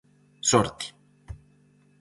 Sorte!